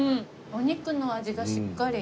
お肉の味がしっかり。